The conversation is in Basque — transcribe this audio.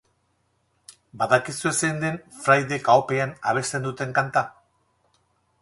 Badakizue zein den fraideek ahopean abesten duten kanta?